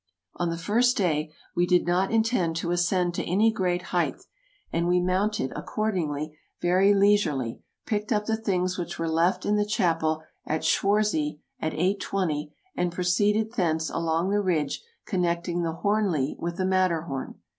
On the first day we did not intend to ascend to any great height, and we mounted, accordingly, very leisurely, picked up the things which were left in the chapel at Schwarzsee at eight twenty, and proceeded thence along the ridge con necting the Hornli with the Matterhorn.